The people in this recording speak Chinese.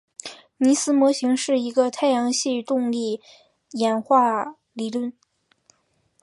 尼斯模型是一个太阳系动力演化理论。